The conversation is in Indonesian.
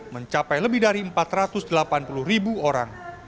mencapai lebih dari empat ratus delapan puluh ribu orang